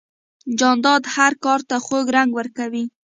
جانداد هر کار ته خوږ رنګ ورکوي.